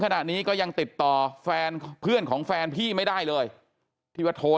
ขณะนี้ก็ยังติดต่อแฟนเพื่อนของแฟนพี่ไม่ได้เลยที่ว่าโทร